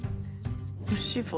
dia mencari kamu